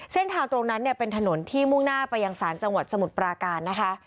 เส้นทางตรงนั้นเนี่ยเป็นถนนที่มุ่งหน้าไปยังศาลจังหวัดสมุทรปราการนะคะ